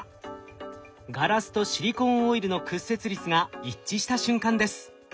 ガラスとシリコーンオイルの屈折率が一致した瞬間です。